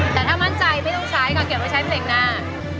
แต่ถ้ามั่นใจไม่ต้องใช้ค่ะเก็บไว้ใช้เพลงหน้า